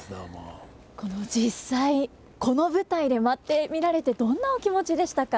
実際この舞台で舞ってみられてどんなお気持ちでしたか。